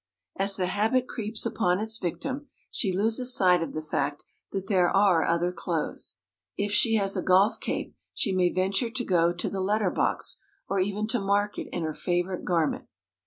As the habit creeps upon its victim, she loses sight of the fact that there are other clothes. If she has a golf cape, she may venture to go to the letter box or even to market in her favourite garment.